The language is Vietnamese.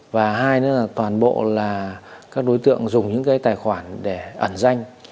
và hai nữa là toàn bộ là các đối tượng dùng những cái tài khoản để ẩn danh